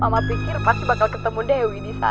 mama pikir pasti bakal ketemu dewi di sana